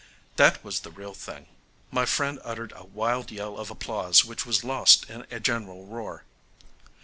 This was the real thing. My friend uttered a wild yell of applause which was lost in a general roar.